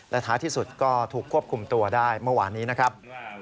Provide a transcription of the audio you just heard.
และท้ายที่สุดก็ถูกควบคุมตัวได้เมื่อวานนี้นะครับ